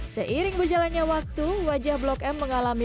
seiring berjalannya waktu wajah blok m mengalami